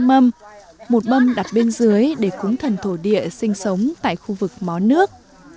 đồ lễ sẽ được chia làm hai mâm một mâm đặt bên dưới để cúng thần thổ địa sinh sống tại khu vực mó nước